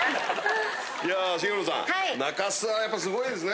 いや重盛さん中洲はやっぱすごいですね！